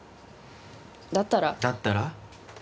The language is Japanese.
だったらだったら？